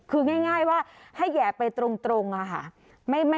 คือง่ายว่าให้แห่ไปตรงค่ะ